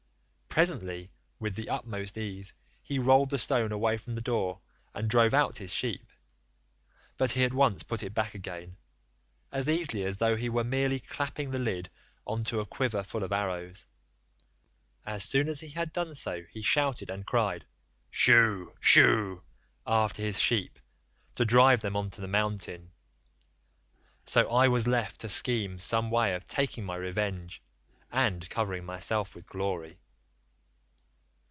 Presently, with the utmost ease, he rolled the stone away from the door and drove out his sheep, but he at once put it back again—as easily as though he were merely clapping the lid on to a quiver full of arrows. As soon as he had done so he shouted, and cried 'Shoo, shoo,' after his sheep to drive them on to the mountain; so I was left to scheme some way of taking my revenge and covering myself with glory.